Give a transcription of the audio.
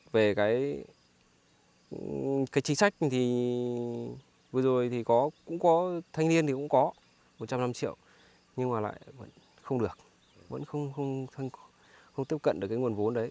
về cái chính sách thì vừa rồi thì cũng có thanh niên thì cũng có một trăm linh năm triệu nhưng mà lại vẫn không được vẫn không tiếp cận được cái nguồn vốn đấy